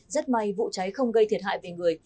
rất may vụ cháy không gây thiệt hại về người